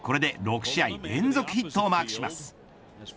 これで６試合連続ヒットをマークします。